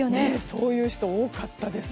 そういう人多かったです。